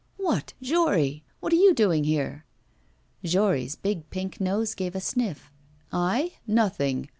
'What, Jory! What are you doing there?' Jory's big pink nose gave a sniff. 'I? Nothing.